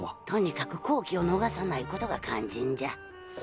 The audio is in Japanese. とにかく好機を逃さないことが肝心じゃ。